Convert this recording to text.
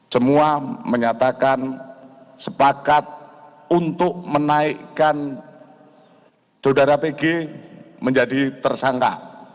semua menyatakan sepakat untuk menaikkan saudara pg menjadi tersangka